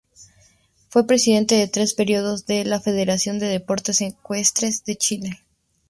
Fue Presidente en tres periodos de la Federación de Deportes Ecuestres de Chile.